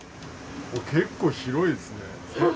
結構広いですね。